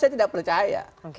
saya tidak percaya